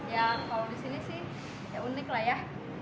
ya kalau di sini sih ya unik lah ya